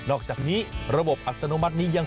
สวัสดีครับคุณพี่สวัสดีครับ